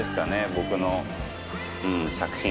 僕の作品。